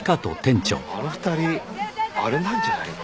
あの２人あれなんじゃないの？